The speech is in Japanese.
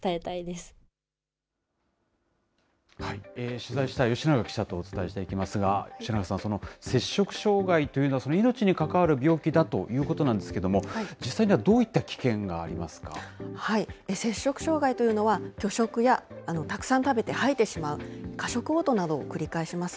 取材した吉永記者とお伝えしていきますが、吉永さん、摂食障害というのは、命に関わる病気だということなんですけれども、実際にはどういっ摂食障害というのは、拒食やたくさん食べて吐いてしまう過食おう吐などを繰り返します。